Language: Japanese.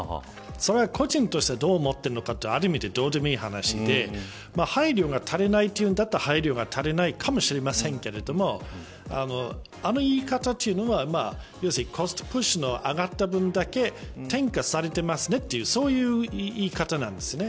それは、個人としてどう思っているのかはある意味では、どうでもいい話で配慮が足りないと言うんだったら配慮が足りないかもしれませんがあの言い方というのは要するにコストプッシュの上がった分だけ転嫁されてますねというそういう言い方なんですね。